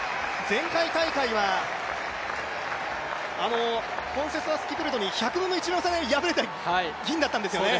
前回大会はコンセスラス・キプルトに１００分の１秒差で敗れて銀だったんですよね。